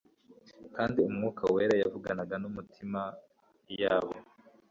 kandi Umwuka wera yavuganaga n'imitima yabo